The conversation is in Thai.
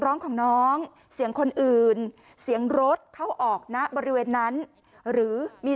ร้องของน้องเสียงคนอื่นเสียงรถเข้าออกณบริเวณนั้นหรือมี